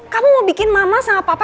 kamu mau bikin mama sama papa